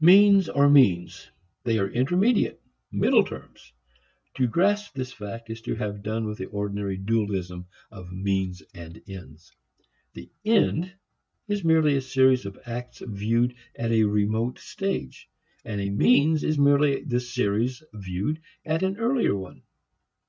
Means are means; they are intermediates, middle terms. To grasp this fact is to have done with the ordinary dualism of means and ends. The "end" is merely a series of acts viewed at a remote stage; and a means is merely the series viewed at an earlier one.